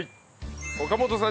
岡本さん